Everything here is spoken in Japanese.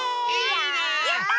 やった！